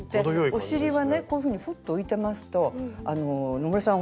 お尻はねこういうふうにふっと浮いてますと野村さん